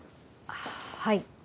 はい。